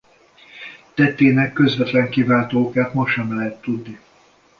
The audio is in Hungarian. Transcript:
Tettének közvetlen kiváltó okát ma sem lehet tudni.